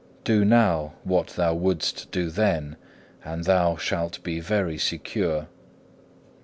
Do now what thou wouldst do then, and thou shalt be very secure."